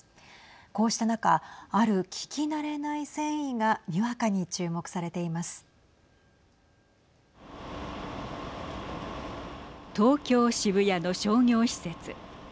こうした中ある聞き慣れない繊維が東京、渋谷の商業施設。